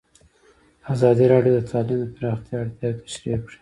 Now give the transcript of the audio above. ازادي راډیو د تعلیم د پراختیا اړتیاوې تشریح کړي.